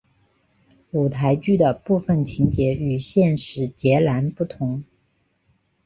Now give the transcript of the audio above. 舞台剧的部分情节与现实截然不同。